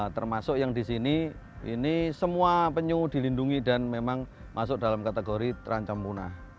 termasuk yang di sini ini semua penyu dilindungi dan memang masuk dalam kategori terancam punah